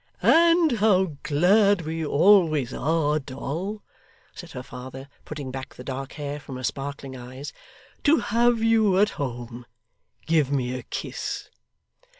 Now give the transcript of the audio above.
'And how glad we always are, Doll,' said her father, putting back the dark hair from her sparkling eyes, 'to have you at home. Give me a kiss.